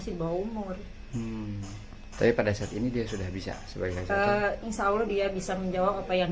sih bawah umur tapi pada saat ini dia sudah bisa insya allah dia bisa menjawab apa yang